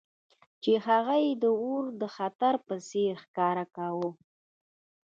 چې هغه یې د اور د خطر په څیر ښکاره کاوه